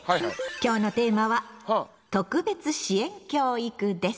今日のテーマは「特別支援教育」です。